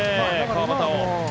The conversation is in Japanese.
川端を。